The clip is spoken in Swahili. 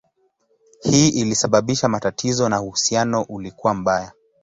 Hii ilisababisha matatizo na uhusiano ulikuwa mbaya.